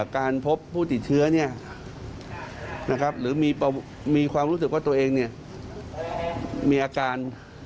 การพบผู้ติดเชื้อหรือมีความรู้สึกว่าตัวเองมีอาการ